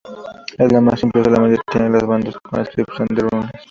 Es el más simple, solamente tiene las bandas con la inscripción de runas.